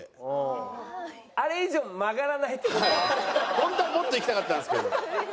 ホントはもっといきたかったんですけど。